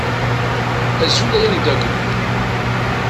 Azul ay amdakel.